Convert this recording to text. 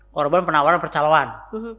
korban penawaran percaloan